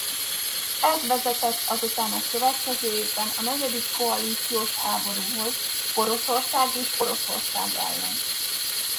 Ez vezetett azután a következő évben a negyedik koalíciós háborúhoz Poroszország és Oroszország ellen.